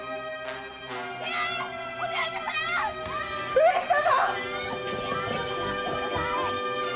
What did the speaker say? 上様！